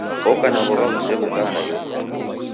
Oka na w'ow'a ghusew'uka naighu!